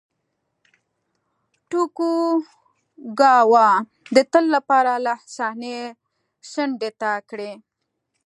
توکوګاوا د تل لپاره له صحنې څنډې ته کړي.